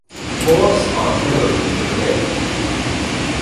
Horse Artillery Brigade.